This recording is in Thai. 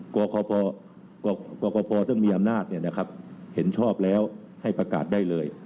กรกพซึ่งมีอำนาจเห็นชอบแล้วให้ประกาศได้เลย